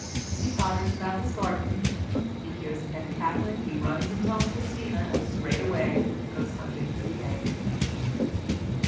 He potters about his garden; if he hears a hen cackling he runs and tells Christina, and straightway goes hunting for the egg.